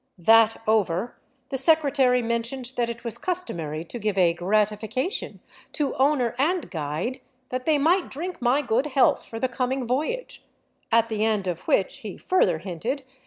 That over, the secretary men tioned that it was customary to give a " gratification " to owner and " guide," that they might drink my good health for the coming voyage, at the end of which, he further hinted.